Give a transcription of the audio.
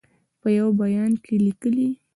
په یوه بیان کې لیکلي